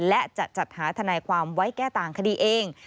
และจะจัดหาทนายความไว้แก้ต่างคดีเอง